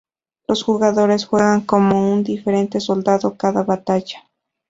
Los jugadores juegan como un diferente soldado cada batalla.